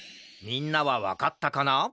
みんなはわかったかな？